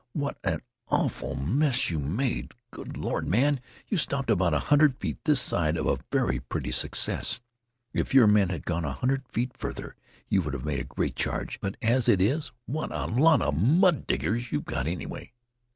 "What an awful mess you made! Good Lord, man, you stopped about a hundred feet this side of a very pretty success! If your men had gone a hundred feet farther you would have made a great charge, but as it is what a lot of mud diggers you've got anyway!"